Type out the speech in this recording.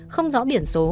không rõ biển số